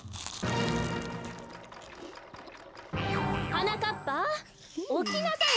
はなかっぱおきなさい